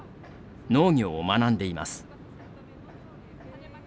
農業を学んでいます。